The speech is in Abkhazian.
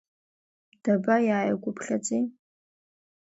Даба иааиқәыԥхьаӡеи.